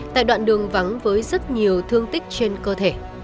tại đoạn đường vắng với rất nhiều thương tích trên cơ thể